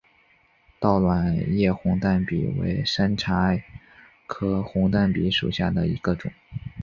倒卵叶红淡比为山茶科红淡比属下的一个种。